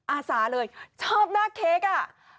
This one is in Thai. อาสาเลยชอบหน้าเค้กอ่ะ